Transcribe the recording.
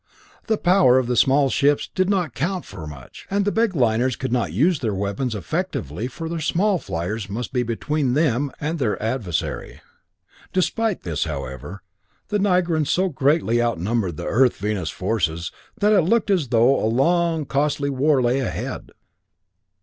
The power of the small ships did not count for much and the big liners could not use their weapons effectively for their small fliers must be between them and their adversary. Despite this, however, the Nigrans so greatly outnumbered the Earth Venus forces that it looked as though a long and costly war lay ahead.